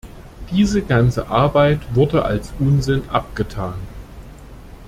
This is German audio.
Diese ganze Arbeit wurde als Unsinn abgetan.